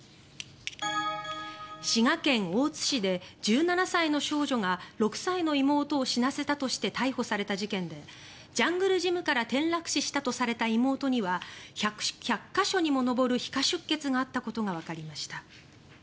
滋賀県大津市で１７歳の少女が６歳の妹を死なせたとして逮捕された事件でジャングルジムから転落死したとされる妹には１００か所にも上る皮下出血があったことがわかりました。